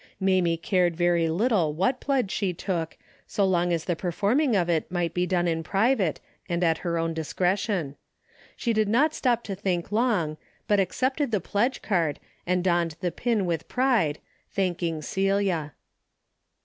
Mamie cared very little what pledge she took, so long as the perform ing of it might be done in private and at her own discretion. She did not stop to think long, but accepted the pledge card and donned the pin with pride, thanking Celia.